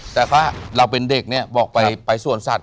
แต่ก็เราเป็นเด็กเนี่ยบอกไปสวนสัตว